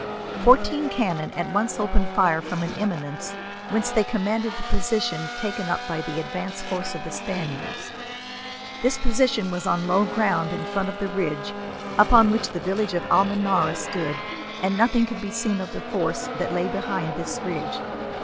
Fourteen cannon at once opened fire from an eminence, whence they commanded the position taken up by the advance force of the Spaniards. This position was on low ground in front of the ridge upon which the village of Almenara stood, and nothing could be seen of the force that lay behind this ridge.